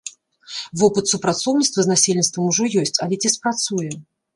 Вопыт супрацоўніцтва з насельніцтвам ужо ёсць, але ці спрацуе?